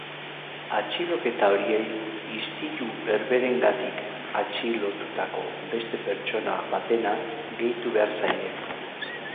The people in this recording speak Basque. Atxiloketa horiei istilu berberengatik atxilotutako beste pertsona batena gehitu behar zaie.